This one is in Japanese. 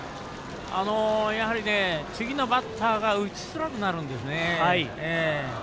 やはり、次のバッターが打ちづらくなるんですね。